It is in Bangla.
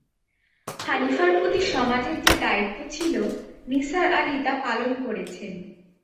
হানিফার প্রতি সমাজের যে দায়িত্ব ছিল, নিসার আলি তা পালন করেছেন।